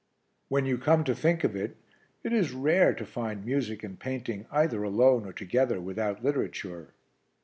When you come to think of it, it is rare to find music and painting either alone or together without literature.